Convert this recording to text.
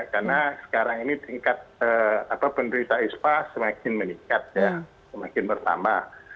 karena sekarang ini tingkat penerisa ispa semakin meningkat semakin bertambah